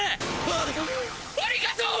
あっありがとう！！